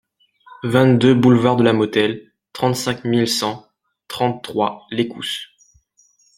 vingt-deux boulevard de la Motelle, trente-cinq mille cent trente-trois Lécousse